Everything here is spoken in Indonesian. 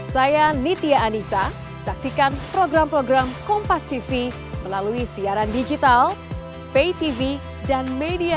saya nitia anissa saksikan program program kompas tv melalui siaran digital pay tv dan media